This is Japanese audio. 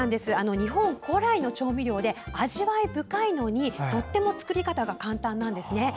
日本古来の調味料で味わい深いのにとっても作り方が簡単なんです。